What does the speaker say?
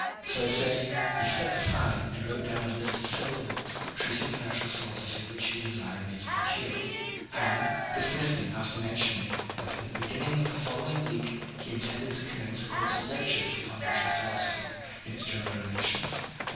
So saying, he stepped aside and wrote down a list of several books treating of natural philosophy which he desired me to procure, and dismissed me after mentioning that in the beginning of the following week he intended to commence a course of lectures upon natural philosophy in its general relations, and that M.